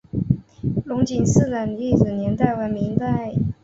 龙井寺的历史年代为明代。